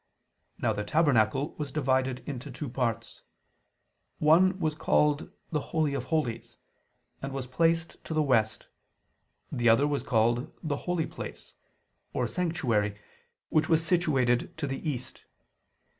Now the tabernacle was divided into two parts: one was called the "Holy of Holies," and was placed to the west; the other was called the "Holy Place" [*Or 'Sanctuary'. The Douay version uses both expressions], which was situated to the east.